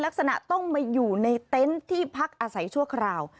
ลักษณะต้องมาอยู่ในเต็นต์ที่พักอาศัยชั่วคราว